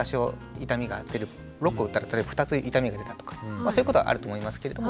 ６個打ったら例えば２つ痛みが出たとかまあそういうことはあると思いますけれども。